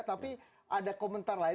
tapi ada komentar lain